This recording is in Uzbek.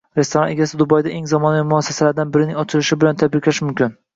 Restoran egasini Dubayda eng zamonaviy muassasalardan birining ochilishi bilan tabriklash mumkin